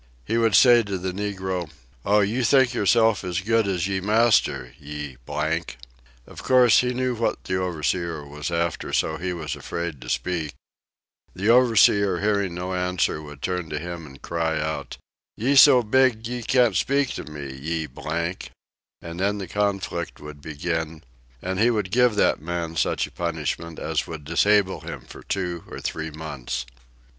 He would say to the negro, "Oh, ye think yourself as good as ye master, ye " Of course he knew what the overseer was after, so he was afraid to speak; the overseer, hearing no answer, would turn to him and cry out, "ye so big ye can't speak to me, ye ," and then the conflict would begin, and he would give that man such a punishment as would disable him for two or three months.